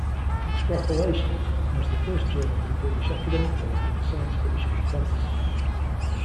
"Extrapolation" was the first journal to publish academic work on science fiction and fantasy.